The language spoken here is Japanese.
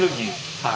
はい。